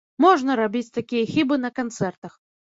Можна рабіць такія хібы на канцэртах.